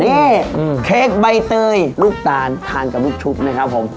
เนี่ยเค้กใบเตยลูกตานทานจังรุ่งชุบนะครับของ